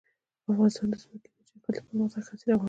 افغانستان کې د ځمکنی شکل د پرمختګ هڅې روانې دي.